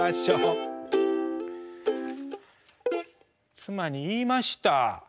妻に言いました。